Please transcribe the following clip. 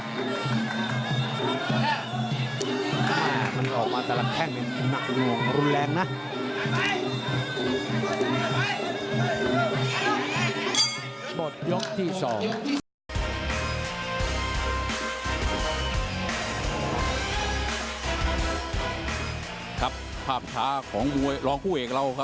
อ่ามันออกมาจะละแท่งหนึ่งหนักหลวงรุนแรงน่ะ